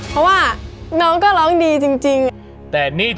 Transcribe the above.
รวมทั้งหมดอังุ่นได้ไปทั้งหมด๕๕คะแนนค่ะ